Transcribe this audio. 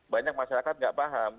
banyak masyarakat enggak paham